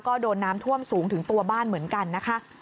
ก็โดนน้ำท่วมสูงถึงตัวบ้านเหมือนกันนะคะ